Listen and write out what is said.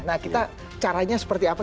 nah caranya seperti apa